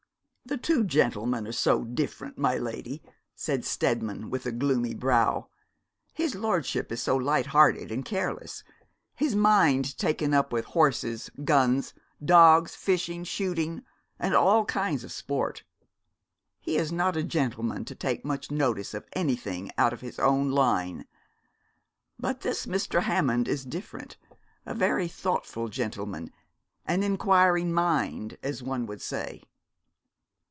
'The two gentlemen are so different, my lady,' said Steadman, with a gloomy brow. 'His lordship is so light hearted and careless, his mind taken up with his horses, guns, dogs, fishing, shooting, and all kinds of sport. He is not a gentleman to take much notice of anything out of his own line. But this Mr. Hammond is different a very thoughtful gentleman, an inquiring mind, as one would say.'